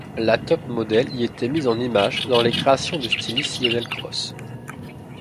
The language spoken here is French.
La top-modèle y était mise en image dans les créations du styliste Lionel Cros.